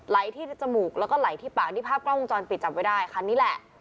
ที่จมูกแล้วก็ไหลที่ปากนี่ภาพกล้องวงจรปิดจับไว้ได้คันนี้แหละ